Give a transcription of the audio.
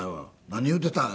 「何言うてたん？」